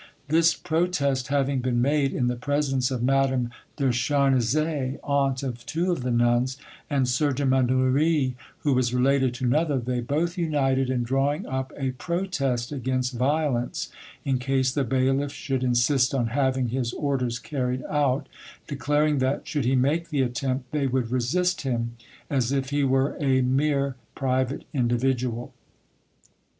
This protest having been made in the presence of Madame de Charnisay, aunt of two of the nuns, and Surgeon Mannouri, who was related to another, they both united in drawing up a protest against violence, in case the bailiff should insist on having his orders carried out, declaring that, should he make the attempt, they would resist him, as if he were a mere private individual.